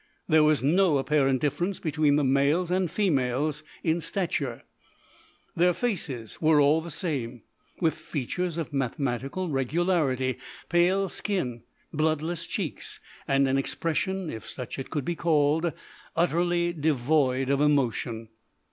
There was no apparent difference between the males and females in stature; their faces were all the same, with features of mathematical regularity, pale skin, bloodless cheeks, and an expression, if such it could be called, utterly devoid of emotion.